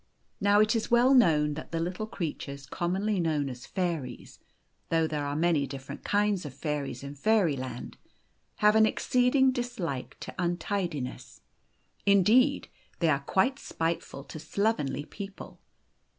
Now it is well known that the little creatures com monly called fairies, though there are many different kinds of fairies in Fairyland, have an exceeding dislike to untidiness. Indeed, they are quite spiteful to slov enly people.